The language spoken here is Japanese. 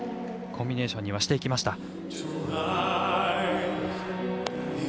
コンビネーションにはしていきました。